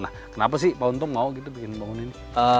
nah kenapa sih pak untung mau gitu bikin bangun ini